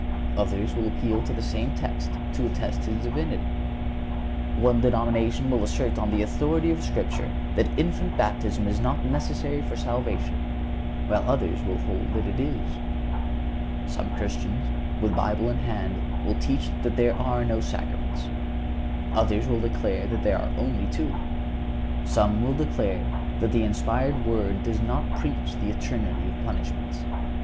Others will appeal to the same text to attest His Divinity. One denomination will assert on the authority of Scripture that infant baptism is not necessary for salvation, while others will hold that it is. Some Christians, with Bible in hand, will teach that there are no sacraments. Others will say that there are only two. Some will declare that the inspired Word does not preach the eternity of punishments.